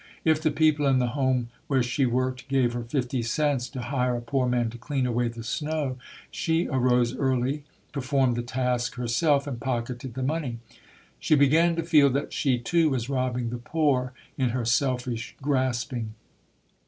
If the people in the home where she worked gave her fifty cents to hire a poor man to clean away the snow, she arose early, performed the task herself and pocketed the money. She began to feel that she, too, was robbing the poor in her selfish grasping.